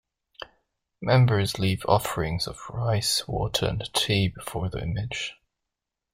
Members leave offerings of rice, water and tea before the image.